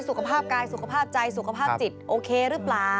สุขภาพกายสุขภาพใจสุขภาพจิตโอเคหรือเปล่า